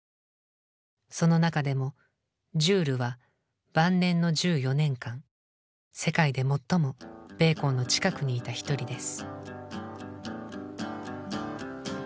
その中でもジュールは晩年の１４年間世界で最もベーコンの近くにいた一人です。